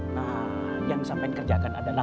nah jangan sampai kerja